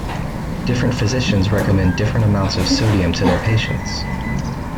Different physicians recommend different amounts of sodium to their patients.